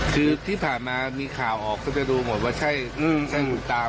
เพราะเป็นนอนฤทธิ์ศาสตร์อนาภาพอยู่ในกลุ่ม